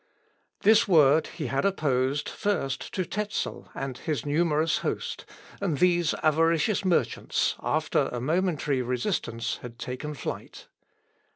This Word he had opposed, first, to Tezel and his numerous host, and these avaricious merchants, after a momentary resistance, had taken flight.